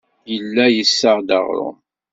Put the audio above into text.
Yella yessaɣ-d aɣrum.